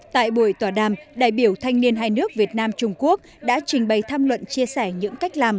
tại buổi tọa đàm đại biểu thanh niên hai nước việt nam trung quốc đã trình bày tham luận chia sẻ những cách làm